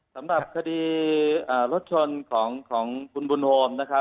สำหรับคดีรถชนของคุณบุญโฮมนะครับ